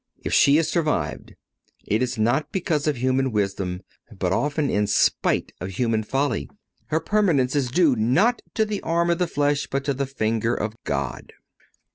If she has survived, it is not because of human wisdom, but often in spite of human folly. Her permanence is due not to the arm of the flesh, but to the finger of God.